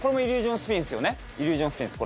イリュージョンスピンです